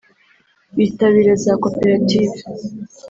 bitabira za koperative